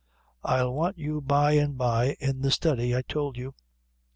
I'll want you by an' by in the study, I tould you."